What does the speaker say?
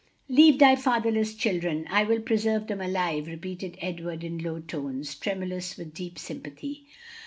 "'Leave thy fatherless children, I will preserve them alive,'" repeated Edward in low tones, tremulous with deep sympathy.